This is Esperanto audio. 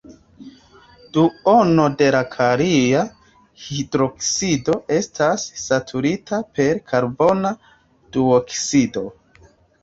Duono de la kalia hidroksido estas saturita per karbona duoksido.